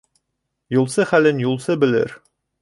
Юлсы хәлен юлсы белер.